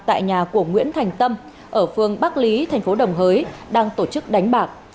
tại nhà của nguyễn thành tâm ở phương bắc lý thành phố đồng hới đang tổ chức đánh bạc